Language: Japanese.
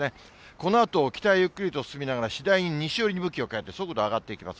このあと北へゆっくりと進みながら、次第に西寄りに向きを変えて、速度上がっていきます。